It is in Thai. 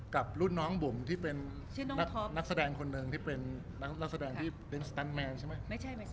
กับรุ่นน้องบุ๋มที่เป็นนักแสดงคนหนึ่งที่เป็นนักแสดงที่ลิ้นสแตนแมนใช่ไหม